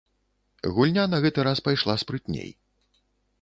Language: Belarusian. Гульня на гэты раз пайшла спрытней.